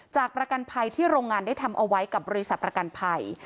ประกันภัยที่โรงงานได้ทำเอาไว้กับบริษัทประกันภัย